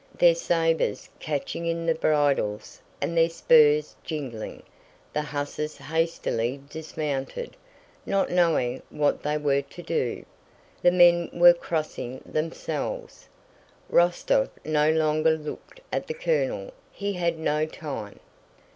Their sabers catching in the bridles and their spurs jingling, the hussars hastily dismounted, not knowing what they were to do. The men were crossing themselves. Rostóv no longer looked at the colonel, he had no time.